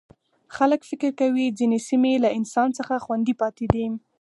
خلک فکر کوي ځینې سیمې له انسان څخه خوندي پاتې دي.